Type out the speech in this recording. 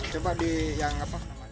coba di yang apa